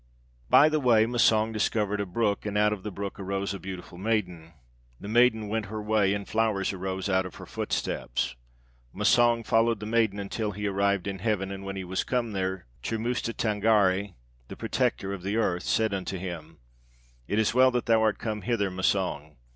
"By the way Massang discovered a brook, and out of the brook arose a beautiful maiden. The maiden went her way, and flowers arose out of her footsteps. Massang followed the maiden until he arrived in heaven, and when he was come there, Churmusta Tângâri (the Protector of the Earth) said unto him, 'It is well that thou art come hither, Massang.